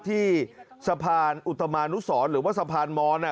ที่สะพานอุตมานุสรหรือว่าสะพานมอน